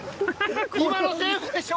今のセーフでしょ？